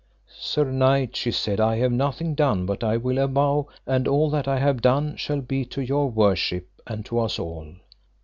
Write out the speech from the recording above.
Sir knight, she said, I have nothing done but I will avow, and all that I have done shall be to your worship, and to us all.